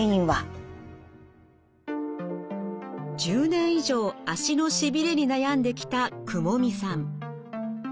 １０年以上足のしびれに悩んできた雲見さん。